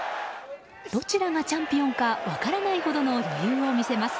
どちらがチャンピオンか分からないほどの余裕を見せます。